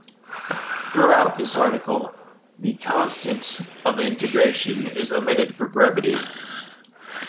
Throughout this article the constant of integration is omitted for brevity.